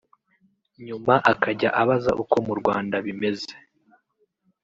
nyuma akajya abaza uko mu Rwanda bimeze